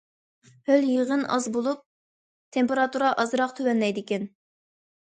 ھۆل يېغىن ئاز بولۇپ، تېمپېراتۇرا ئازراق تۆۋەنلەيدىكەن.